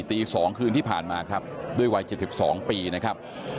ตีสองคืนที่ผ่านมาครับด้วยวัยเจ็บสิบสองปีนะครับ